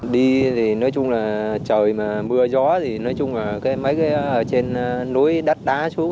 đi thì nói chung là trời mà mưa gió thì nói chung là mấy cái trên núi đắt đá xuống